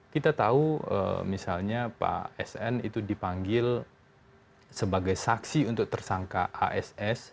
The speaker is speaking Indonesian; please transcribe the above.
kita tahu misalnya pak sn itu dipanggil sebagai saksi untuk tersangka ass